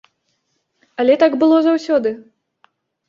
Але так было заўсёды.